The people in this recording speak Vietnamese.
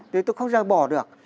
tôi không ra bỏ được